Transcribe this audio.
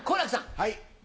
はい。